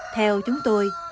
theo chúng tôi